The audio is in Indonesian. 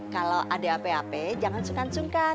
kalau ada hape hape jangan sungkan sungkan